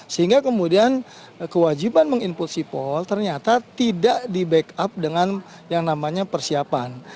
sehingga kemudian kewajiban meng input sipol ternyata tidak di backup dengan yang namanya persiapan